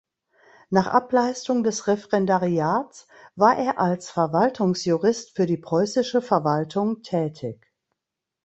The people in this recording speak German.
Nach Ableistung des Referendariats war er als Verwaltungsjurist für die preußische Verwaltung tätig.